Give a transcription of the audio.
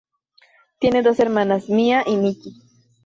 Tiene dos hermanas, Mia y Nikki.